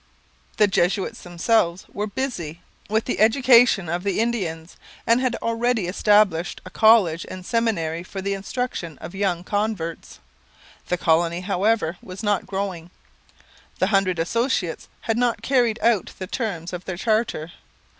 The Jesuits themselves were busy with the education of the Indians and had already established a college and seminary for the instruction of young converts. The colony, however, was not growing. The Hundred Associates had not carried out the terms of their charter.